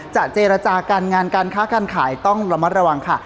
เจรจาการงานการค้าการขายต้องระมัดระวังค่ะ